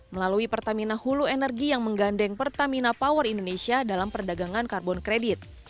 melalui pertamina hulu energi yang menggandeng pertamina power indonesia dalam perdagangan karbon kredit